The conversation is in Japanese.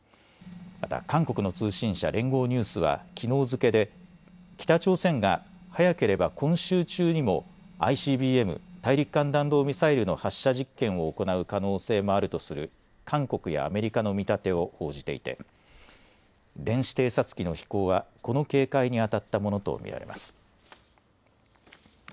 また韓国の通信社、連合ニュースはきのう付けで北朝鮮が早ければ今週中にもＩＣＢＭ・大陸間弾道ミサイルの発射実験を行う可能性もあるとする韓国やアメリカの見立てを報じていて電子偵察機の飛行はこの警戒にあたったものと見られます。